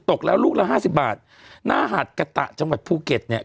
ตกแล้วลูกละห้าสิบบาทหน้าหาดกะตะจังหวัดภูเก็ตเนี่ย